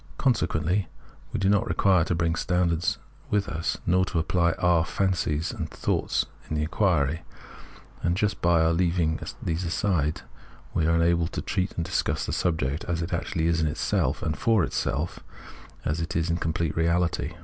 Consequently we do not require to bring standards with us, nor to apply our fancies and thoughts in the inquiry; and just by our leaving these aside we are enabled to treat and discuss the subject as it actually is in itself and for itself, as it is in its complete reahty.